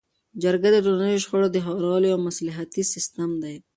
جرګه د ټولنیزو شخړو د هوارولو یو مصلحتي سیستم دی.